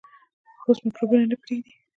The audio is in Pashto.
پوست میکروبونه نه پرېږدي.